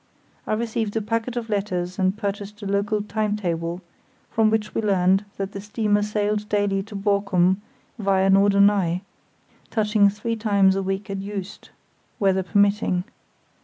I received a packet of letters and purchased a local time table, from which we learned that the steamer sailed daily to Borkum via Norderney, touching three times a week at Juist (weather permitting).